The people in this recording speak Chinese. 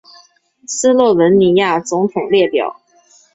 斯洛文尼亚总统列表